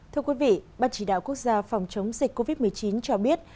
thưa quý vị ban chỉ đạo quốc gia phòng chống dịch covid một mươi chín cho biết